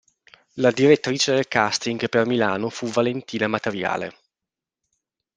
La direttrice del casting per Milano fu Valentina Materiale.